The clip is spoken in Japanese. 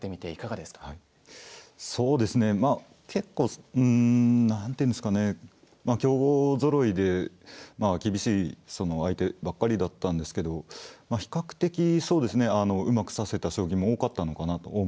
はいそうですねまあ結構うん何ていうんですかねまあ強豪ぞろいで厳しい相手ばっかりだったんですけどまあ比較的そうですねうまく指せた将棋も多かったのかなと。